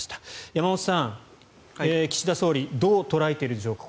山本さん、岸田総理どう捉えているでしょうか